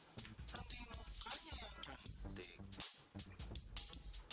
nanti mukanya cantik